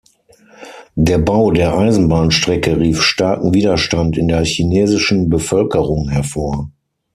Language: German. Der Bau der Eisenbahnstrecke rief starken Widerstand in der chinesischen Bevölkerung hervor.